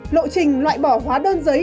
lộ trình loại bỏ hóa đơn giấy